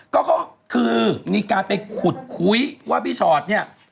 ก็คือมีการไปขุดคุยว่าพี่ชอตเนี่ย